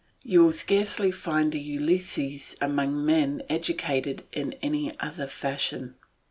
You will scarcely find a Ulysses among men educated in any other fashion.